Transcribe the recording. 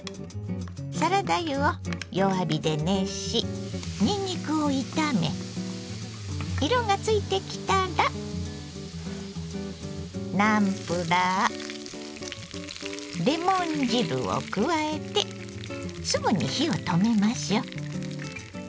サラダ油を弱火で熱しにんにくを炒め色がついてきたらナムプラーレモン汁を加えてすぐに火を止めましょう。